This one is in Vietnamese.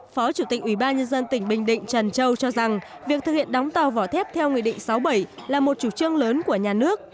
phó chủ tịch ủy ban nhân dân tỉnh bình định trần châu cho rằng việc thực hiện đóng tàu vỏ thép theo nghị định sáu bảy là một chủ trương lớn của nhà nước